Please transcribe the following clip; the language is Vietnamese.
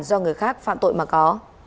do người khác phạm tội mà có